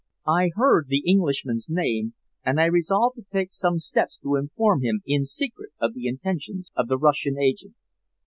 I heard the Englishman's name, and I resolved to take some steps to inform him in secret of the intentions of the Russian agent.